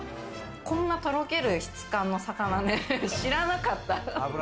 こんなとろける質感の魚、知らなかった。